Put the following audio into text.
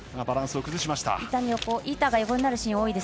バランスを崩しました。